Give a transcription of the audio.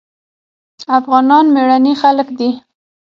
افغانان مېړني خلک دي.